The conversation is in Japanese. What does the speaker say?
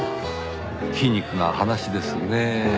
皮肉な話ですねぇ。